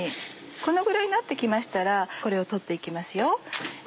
このぐらいになって来ましたらこれを取って行きますよ。